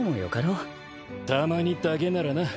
たまにだけならな。